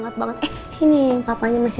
sampai dia ngebet kalo papa tuh lah